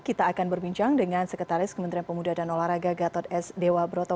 kita akan berbincang dengan sekretaris kementerian pemuda dan olahraga gatot s dewa broto